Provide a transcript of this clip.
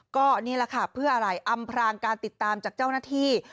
ก็นี่แหละค่ะเพื่ออะไรอำพรางการติดตามจากเจ้าหน้าที่